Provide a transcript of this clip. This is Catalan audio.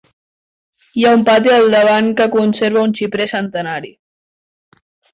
Hi ha un pati al davant que conserva un xiprer centenari.